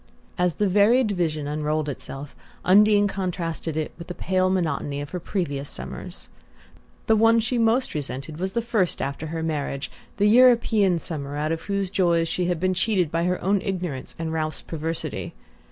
As the varied vision unrolled itself, Undine contrasted it with the pale monotony of her previous summers. The one she most resented was the first after her marriage, the European summer out of whose joys she had been cheated by her own ignorance and Ralph's perversity.